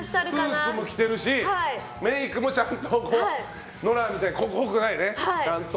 スーツも着ているしメイクもちゃんとノラみたいに濃くないやつ。